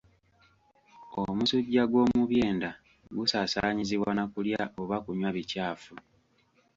Omusujja gw'omubyenda gusaasaanyizibwa na kulya oba kunywa bikyafu.